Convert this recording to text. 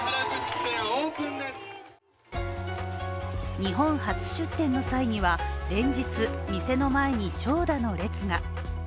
日本初出店の際には連日、店の前に長蛇の列が。